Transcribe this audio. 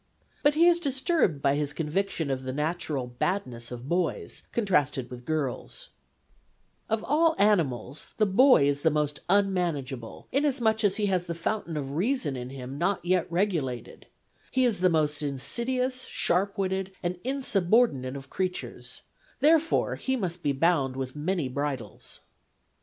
But he is disturbed by his conviction of the natural badness of boys contrasted with girls : Of all animals, the boy is the most unmanageable, inasmuch as he has the fountain of reason in him not yet regulated ; he is the most insidious, sharp witted, and insubordinate of creatures ; therefore he must be bound with many bridles.